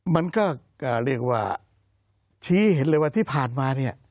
มันก็เรียกว่าชี้เห็นเลยว่าที่ผ่านมาเนี่ย